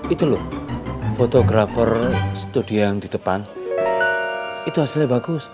itu loh fotografer studiang di depan itu hasilnya bagus